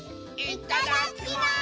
いただきます！